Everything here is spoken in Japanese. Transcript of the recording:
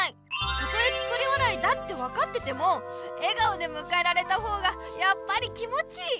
たとえ作り笑いだって分かってても笑顔でむかえられた方がやっぱり気もちいい。